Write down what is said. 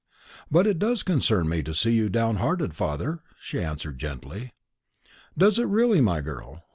"But it does concern me to see you downhearted, father," she answered gently. "Does it really, my girl?